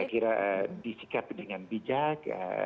saya kira disikapi dengan bijak